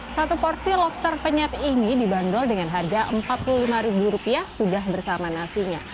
satu porsi lobster penyet ini dibanderol dengan harga rp empat puluh lima sudah bersama nasinya